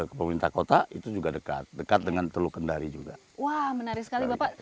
ke pemerintah kota itu juga dekat dekat dengan teluk kendari juga wah menarik sekali bapak